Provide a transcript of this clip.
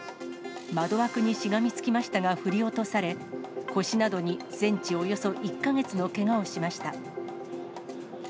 窓枠にしがみつきましたが振り落とされ、腰などに全治およそ１か月のけがをしました。